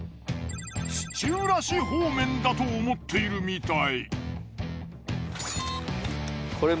土浦市方面だと思っているみたい。